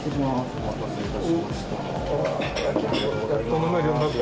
お待たせいたしました。